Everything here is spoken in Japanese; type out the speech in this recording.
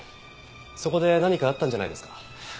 そこで何かあったんじゃないですか？